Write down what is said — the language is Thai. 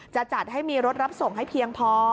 จะจัดให้มีรถรับส่งให้เพียงพอ